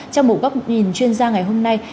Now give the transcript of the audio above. trong một góc nhìn chuyên gia ngày hôm nay